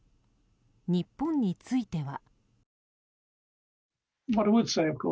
日本については。